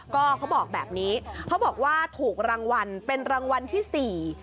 ก็เขาบอกแบบนี้เขาบอกว่าถูกรางวัลเป็นรางวัลที่สี่